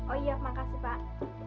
oh iya makasih pak